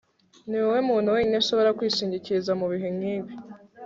niwowe muntu wenyine nshobora kwishingikiriza mubihe nkibi